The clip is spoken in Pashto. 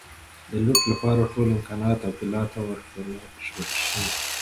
د لوټ لپاره ټول امکانات عبدالله ته ورکړل شي.